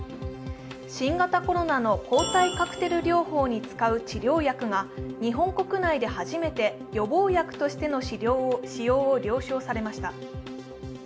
新型コロナの抗体カクテル療法に使う治療薬が日本国内で初めて予防薬としての使用を了承されました。